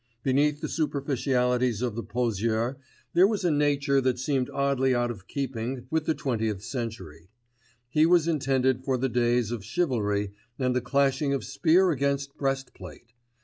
Beneath the superficialities of the poseur there was a nature that seemed oddly out of keeping with the twentieth century. He was intended for the days of chivalry and the clashing of spear against breast plate.